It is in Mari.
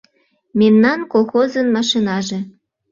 Мемнан колхозын машинаже!